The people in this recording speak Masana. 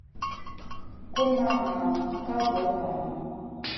Gu ma ŋahn ka voh valamu.